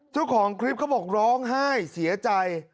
เจ้าของคลิปเขาบอกร้องไห้เสียใจ